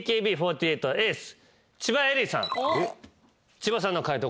千葉さんの解答